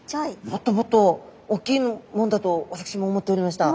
もっともっと大きいもんだと私も思っておりました。